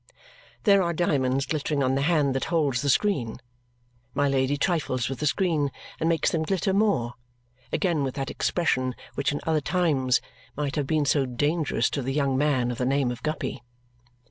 There are diamonds glittering on the hand that holds the screen. My Lady trifles with the screen and makes them glitter more, again with that expression which in other times might have been so dangerous to the young man of the name of Guppy.